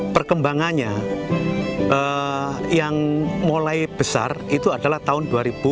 perkembangannya yang mulai besar itu adalah tahun dua ribu dua puluh